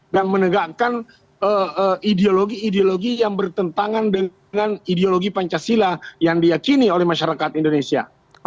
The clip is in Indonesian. dan menegakkan ideologi ideologi yang bertentangan dengan ideologi pancasila yang diakini oleh masyarakat indonesia